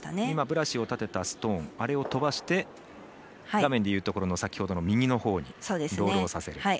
今、ブラシを立てたストーンを飛ばして画面でいうところの先ほどの右のところにロールをさせる。